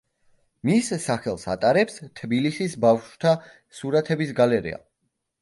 მის სახელს ატარებს თბილისის ბავშვთა სურათების გალერეა.